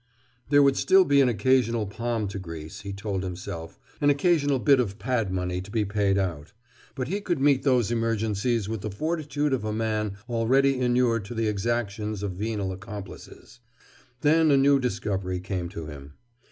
There would still be an occasional palm to grease, he told himself, an occasional bit of pad money to be paid out. But he could meet those emergencies with the fortitude of a man already inured to the exactions of venal accomplices. Then a new discovery came to him.